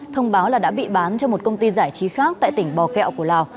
thông báo là đã bị bán cho một công ty giải trí khác tại tỉnh bò kẹo của lào